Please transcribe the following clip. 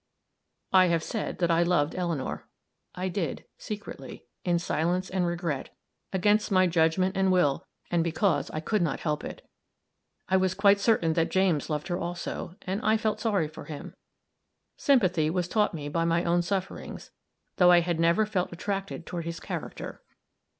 I have said that I loved Eleanor. I did, secretly, in silence and regret, against my judgment and will, and because I could not help it. I was quite certain that James loved her also, and I felt sorry for him; sympathy was taught me by my own sufferings, though I had never felt attracted toward his character.